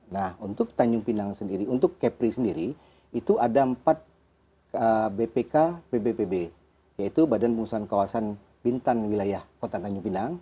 nah untuk tanjung pinang sendiri untuk kepri sendiri itu ada empat bpk pbpb yaitu badan pengusahaan kawasan bintan wilayah kota tanjung pinang